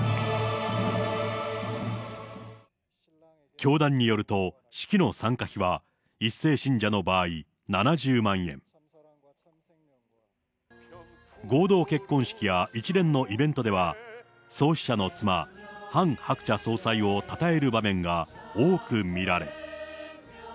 教団によると、式の参加費は１世信者の場合７０万円、合同結婚式や一連のイベントでは、創始者の妻、ハン・ハクチャ総裁を称える場面が多く見られ。